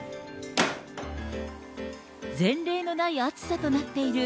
前例のない暑さとなっている